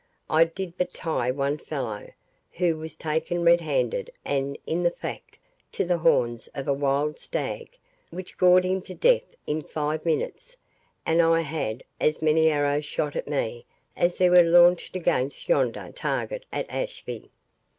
I did but tie one fellow, who was taken redhanded and in the fact, to the horns of a wild stag, which gored him to death in five minutes, and I had as many arrows shot at me as there were launched against yonder target at Ashby.